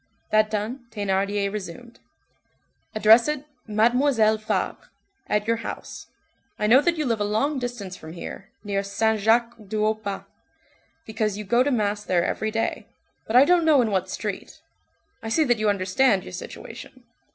That done, Thénardier resumed:— "Address it, 'Mademoiselle Fabre,' at your house. I know that you live a long distance from here, near Saint Jacques du Haut Pas, because you go to mass there every day, but I don't know in what street. I see that you understand your situation.